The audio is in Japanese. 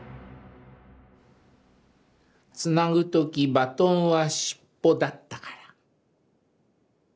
「つなぐときバトンはしっぽだったから」。